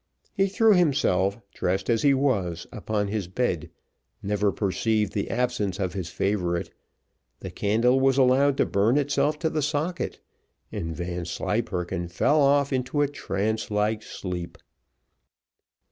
He threw himself, dressed as he was, upon his bed never perceived the absence of his favourite the candle was allowed to burn itself to the socket, and Vanslyperken fell off into a trance like sleep.